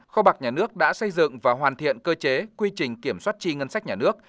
kho bạc nhà nước đã xây dựng và hoàn thiện cơ chế quy trình kiểm soát chi ngân sách nhà nước